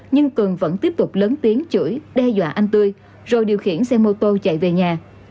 nhưng cường vẫn tiếp tục lớn tiếng chuỗi đe dọa anh tươi rồi điều khiển xe mô tô chạy về nhà